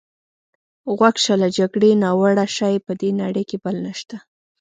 غوږ شه، له جګړې ناوړه شی په دې نړۍ کې بل نشته.